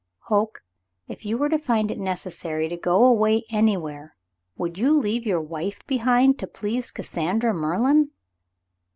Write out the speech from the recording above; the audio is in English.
"Hoke, if you were to find it necessary to go away any where, would you leave your wife behind to please Cas sandra Merlin